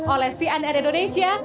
oleh cnn indonesia